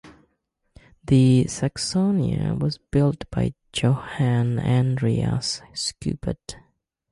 The "Saxonia" was built by Johann Andreas Schubert.